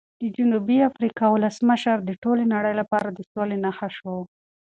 د جنوبي افریقا ولسمشر د ټولې نړۍ لپاره د سولې نښه شو.